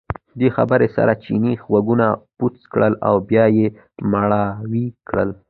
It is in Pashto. دې خبرو سره چیني غوږونه بوڅ کړل او بیا یې مړاوي کړل.